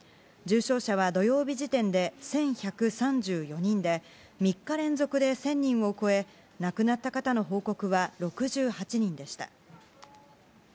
重症者は土曜日時点で１１３４人で３日連続で１０００人を超え亡くなった方の報告は６８人でした。